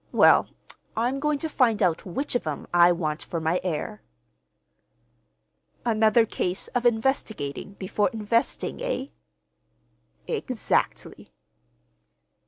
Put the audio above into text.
Well, I'm going to find out which of 'em I want for my heir." "Another case of investigating before investing, eh?" "Exactly."